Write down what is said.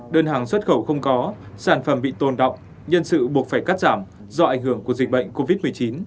đơn hàng xuất khẩu không có sản phẩm bị tồn động nhân sự buộc phải cắt giảm do ảnh hưởng của dịch bệnh covid một mươi chín